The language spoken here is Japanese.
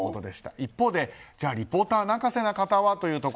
一方で、じゃあリポーター泣かせな方は。